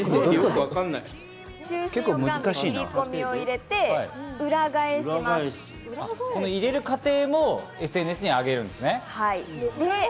わかんない、入れる過程もＳＮＳにあげるんですね。